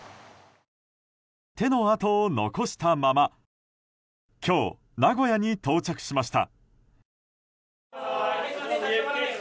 手の跡を残したまま今日、名古屋に到着しました。